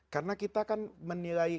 karena kita kan menilai